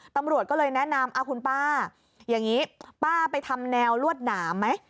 ตำรวจก็เลยแนะนำคุณป้าอย่างนี้ป้าไปทำแนวลวดหนามไหม